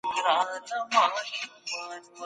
باید د مشرانو درناوی او د کشرانو شفقت هېر نه سي.